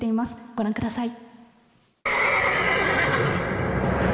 御覧ください。